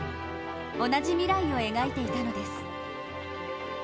同じ未来を描いていたのです。